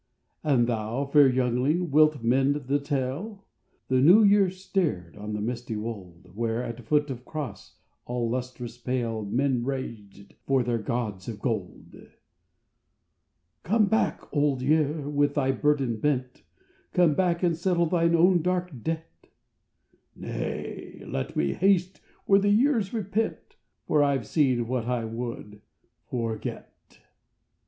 And thou, fair youngling, wilt mend the tale? " The New Year stared on the misty wold, Where at foot of a cross all lustrous pale Men raged for their gods of gold. " Come back, Old Year, with thy burden bent. Come back and settle thine own dark debt." " Nay, let me haste where the years repent, For I ve seen what I would forget."